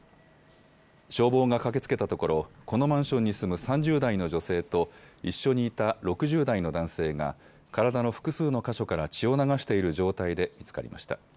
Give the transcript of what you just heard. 消防が駆けつけたところこのマンションに住む３０代の女性と一緒にいた６０代の男性が体の複数の箇所から血を流している状態で見つかりました。